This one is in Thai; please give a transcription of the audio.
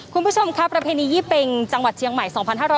คุณผู้ชมครับประเพณียี่เป็งจังหวัดเชียงใหม่๒๕๖๐